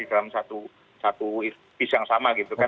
dalam satu bis yang sama gitu kan